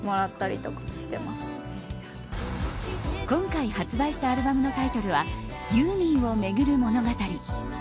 今回発売したアルバムのタイトルはユーミンをめぐる物語。